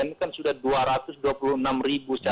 ini kan sudah dua ratus dua puluh enam ribu